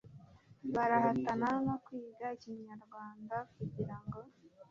barahatana no kwiga ikinyarwanda kugira ngo